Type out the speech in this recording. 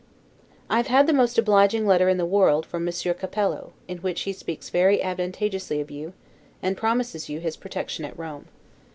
I have had the most obliging letter in the world from Monsieur Capello, in which he speaks very advantageously of you, and promises you his protection at Rome.